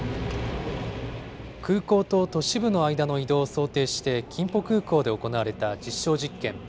空港と都市部の間の移動を想定して、キンポ空港で行われた実証実験。